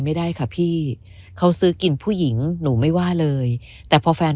ไม่ได้ค่ะพี่เขาซื้อกินผู้หญิงหนูไม่ว่าเลยแต่พอแฟน